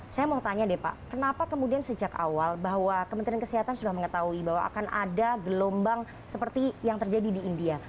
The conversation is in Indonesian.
saya mau tanya deh pak kenapa kemudian sejak awal bahwa kementerian kesehatan sudah mengetahui bahwa akan ada gelombang seperti yang terjadi di india